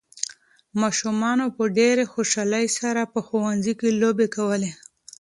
ماشومانو په ډېرې خوشالۍ سره په ښوونځي کې لوبې کولې.